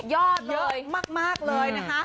เย่อมากเลย